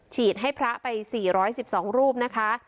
ให้พระไป๔๑๒รูปนะคะ